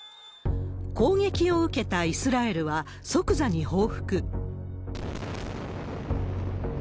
攻撃を受けたイスラエルは即座に報復。